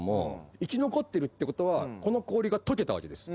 生き残ってるってことはこの氷が溶けたわけです。